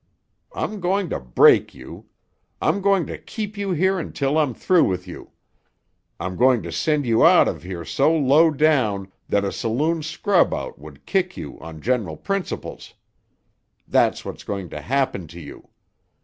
I'm going to break you. I'm going to keep you here until I'm through with you. I'm going to send you out of here so low down that a saloon scrub out would kick you on general principles. That's what's going to happen to you!